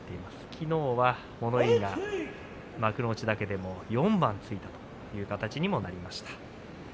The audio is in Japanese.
きのうは物言いが幕内だけでも４番続いたという形にもなっています。